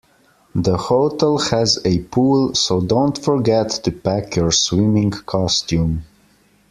The hotel has a pool, so don't forget to pack your swimming costume